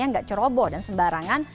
yang nggak ceroboh dan sembarangan